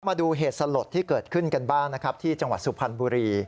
มาดูเหตุสลดที่เกิดขึ้นกันบ้างนะครับที่จังหวัดสุพรรณบุรี